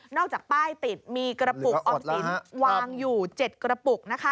นอกจากป้ายติดมีกระปุกออมสินคือวางอยู่๗กระปุก